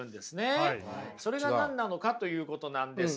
それが何なのかということなんですが。